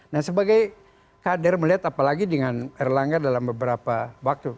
nah sebagai kader melihat apalagi dengan erlangga dalam beberapa waktu